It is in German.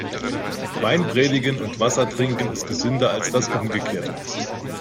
Wein predigen und Wasser trinken ist gesünder als das Umgekehrte.